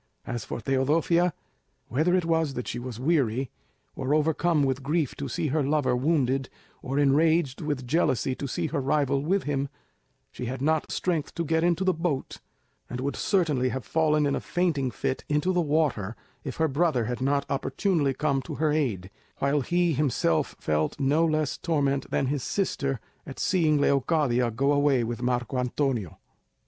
As for Teodosia, whether it was that she was weary, or overcome with grief to see her lover wounded, or enraged with jealousy to see her rival with him, she had not strength to get into the boat, and would certainly have fallen in a fainting fit into the water, if her brother had not opportunely come to her aid, while he himself felt no less torment than his sister at seeing Leocadia go away with Marco Antonio.